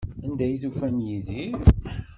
Anda ay d-tufam Yidir?